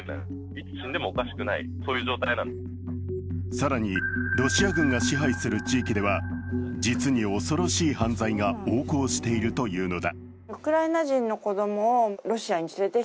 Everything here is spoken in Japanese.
更にロシア軍が支配する地域では実に恐ろしい犯罪が横行しているというのだ。